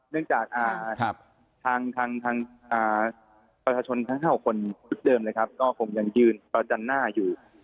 เนื่องจากทางประชาชนทั้ง๖คนชุดเดิมเลยครับก็คงยังยืนประจันหน้าอยู่